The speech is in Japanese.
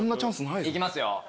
いきますよ。